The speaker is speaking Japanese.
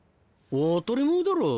当たり前だろ。